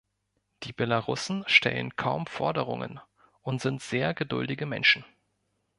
Die Belarussen stellen kaum Forderungen und sind sehr geduldige Menschen.